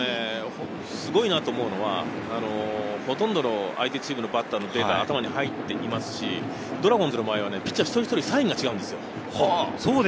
すごいなと思うのは、ほとんどの相手チームのバッターのデータが頭に入っていますし、ドラゴンズの場合はピッチャー、一人一人サインが違うんですよ。